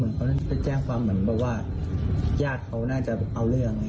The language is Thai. เพราะฉะนั้นไปแจ้งความเหมือนแบบว่าญาติเขาน่าจะเอาเรื่อง